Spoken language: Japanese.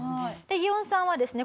ギオンさんはですね